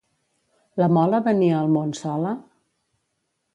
La Mola venia al món sola?